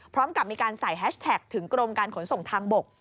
พร้อมกับมีการใส่แฮชแท็กถึงกรมการขนส่งทางบก